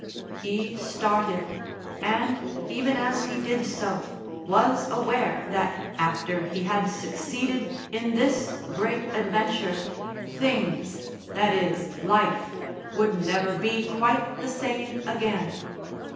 He started, and, even as he did so, was aware that, after he had succeeded in this great adventure, things that is, life would never be quite the same again.